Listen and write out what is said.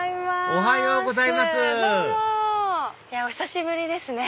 お久しぶりですね。